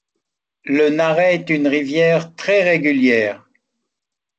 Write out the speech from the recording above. Le Narais est une rivière très régulière.